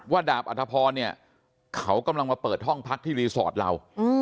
ดาบอัธพรเนี่ยเขากำลังมาเปิดห้องพักที่รีสอร์ทเรา